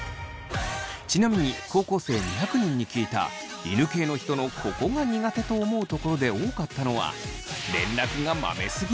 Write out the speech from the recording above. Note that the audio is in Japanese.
ちなみに高校生２００人に聞いた犬系の人のここが苦手と思うところで多かったのは。